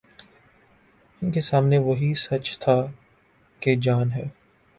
ان کے سامنے وہی سچ تھا کہ جان ہے۔